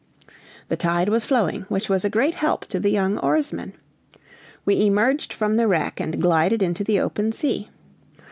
The tide was flowing, which was a great help to the young oarsmen. We emerged from the wreck and glided into the open sea.